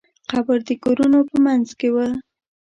قبر د کورونو په منځ کې و.